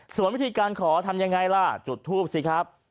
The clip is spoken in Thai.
ส่วนวิธีการขอทำยังไงล่ะจุดทูปสิครับ